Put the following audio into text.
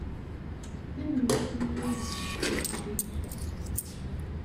Tanemmirt imi ay d-tusiḍ zik.